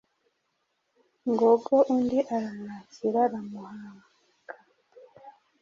Ngogo undi aramwakira aramuhaka ,